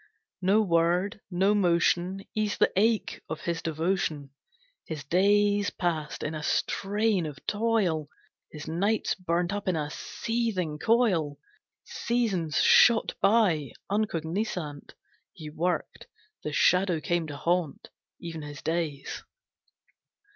No word, no motion, Eased the ache of his devotion. His days passed in a strain of toil, His nights burnt up in a seething coil. Seasons shot by, uncognisant He worked. The Shadow came to haunt Even his days.